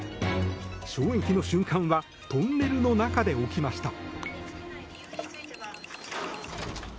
衝撃の瞬間はトンネルの中で起きました。